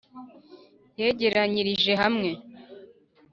yegeranyirije hamwe